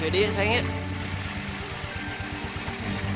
yaudah ya sayangnya